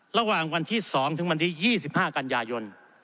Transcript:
ระหว่างวันที่๒ถึงวันที่๒๕กันยายน